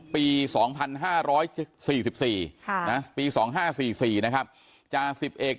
ปี๒๕๔๔ปี๒๕๔๔จา๑๐เอก